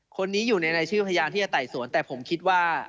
คนนี้อยู่ในรายชื่อพยานที่จะไต่สวนแต่ผมคิดว่า